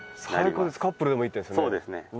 最高ですカップルでもいいですね。